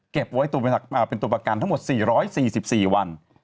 เก็บไว้เป็นตัวประกันทั้งหมด๔๔๔วัน